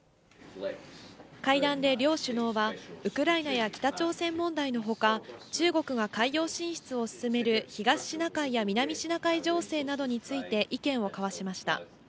会談で両首脳は、ウクライナや北朝鮮問題のほか、中国が海洋進出を進める東シナ海や南シナ海情勢などについて意見を交わしました。